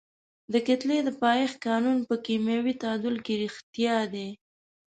د کتلې د پایښت قانون په کیمیاوي تعامل کې ریښتیا دی.